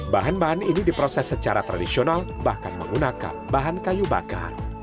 bahan bahan ini diproses secara tradisional bahkan menggunakan bahan kayu bakar